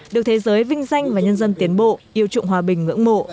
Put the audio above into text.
được thế giới vinh danh và nhân dân tiến bộ yêu trụng hòa bình ngưỡng mộ